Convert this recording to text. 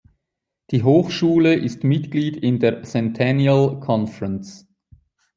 Die Hochschule ist Mitglied in der "Centennial Conference".